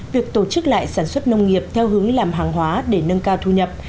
việc tổ chức lại sản xuất nông nghiệp theo hướng làm hàng hóa để nâng cao thu nhập